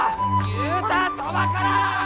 言うたそばから！